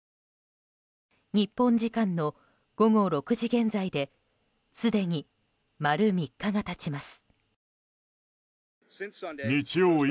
日本時間の午後６時現在ですでに丸３日が経ちます。